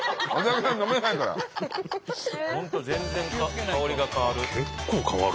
本当全然香りが変わる。